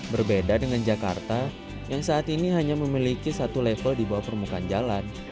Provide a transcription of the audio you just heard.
berbeda dengan jakarta yang saat ini hanya memiliki satu level di bawah permukaan jalan